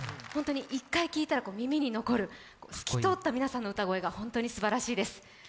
１回聴いたら耳に残る透き通った皆さんの歌声がすばらしいです。